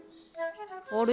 あれ？